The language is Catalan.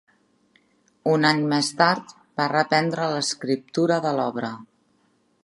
Un any més tard, va reprendre l'escriptura de l'obra.